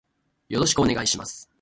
よろしくお願いします。